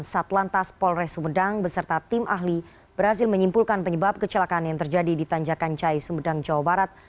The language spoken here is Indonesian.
satlantas polres sumedang beserta tim ahli berhasil menyimpulkan penyebab kecelakaan yang terjadi di tanjakan cai sumedang jawa barat